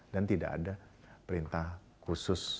dan tidak ada perintah khusus